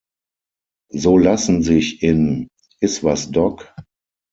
So lassen sich in "Is’ was, Doc?